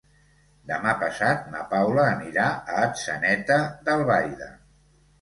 Demà passat na Paula anirà a Atzeneta d'Albaida.